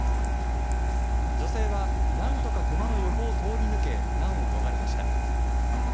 女性は何とかクマの横を通り抜け難を逃れました。